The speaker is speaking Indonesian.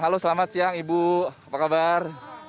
halo selamat siang ibu apa kabar